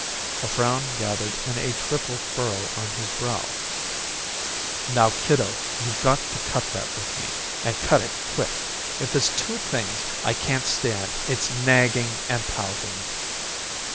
A frown gathered in a triple furrow on his brow. "Now, kiddo, you got to cut that with me, and cut it quick. If there's two things I can't stand it's nagging and pouting.